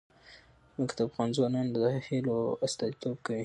ځمکه د افغان ځوانانو د هیلو استازیتوب کوي.